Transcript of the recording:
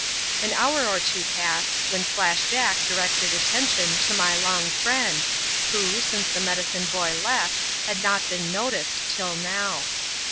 An hour or two passed, when Flash Jack directed attention to my long friend, who, since the medicine boy left, had not been noticed till now.